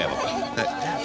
はい。